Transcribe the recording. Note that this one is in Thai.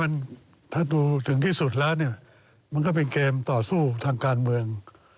มันถ้าดูถึงที่สุดแล้วเนี่ยมันก็เป็นเกมต่อสู้ทางการเมือง